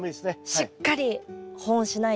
しっかり保温しないと。